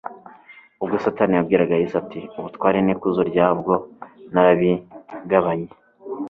Ubwo Satani yabwiraga Yesu ati; Ubutware n'ikuzo ryabwo narabigabanye